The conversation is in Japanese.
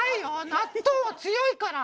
納豆は強いから。